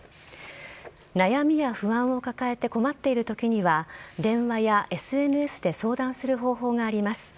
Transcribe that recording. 悩みや不安を抱えて困っているときには電話やＳＮＳで相談する方法があります。